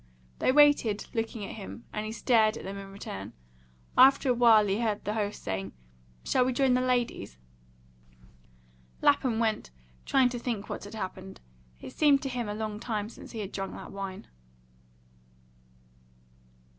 They waited, looking at him, and he stared at them in return. After a while he heard the host saying, "Shall we join the ladies?" Lapham went, trying to think what had happened. It seemed to him a long time since he had drunk that wine.